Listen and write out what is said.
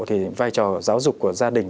thì vai trò giáo dục của gia đình